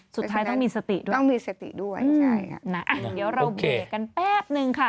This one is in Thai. สุดท้ายต้องมีสติด้วยใช่ค่ะนะอันนี้เดี๋ยวเราเบื่อกันแป๊บหนึ่งค่ะ